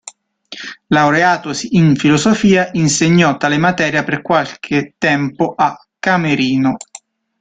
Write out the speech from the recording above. Laureatosi in filosofia, insegnò tale materia per qualche tempo a Camerino.